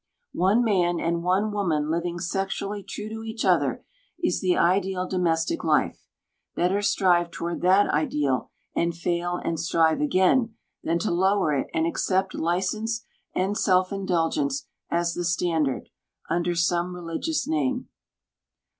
One man and one woman living sexually true to each other is the ideal domestic life. Better strive toward that ideal, and fail and strive again, than to lower it and accept license and self indulgence as the standard, under some religious name.